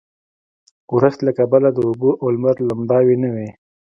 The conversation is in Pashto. ورښت له کبله د اوبو او لمر لمباوې نه وې.